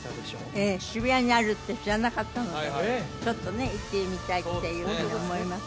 ええ渋谷にあるって知らなかったのでちょっとね行ってみたいっていうふうに思います